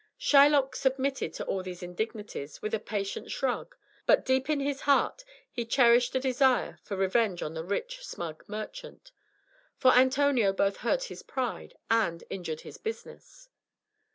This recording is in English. Shylock submitted to all these indignities with a patient shrug; but deep in his heart he cherished a desire for revenge on the rich, smug merchant. For Antonio both hurt his pride and injured his business.